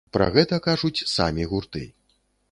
Пра гэта кажуць самі гурты.